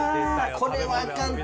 これはあかんって。